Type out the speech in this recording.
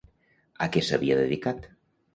A què s'havia dedicat?